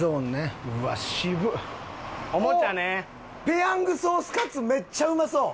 ペヤングソースカツめっちゃうまそう！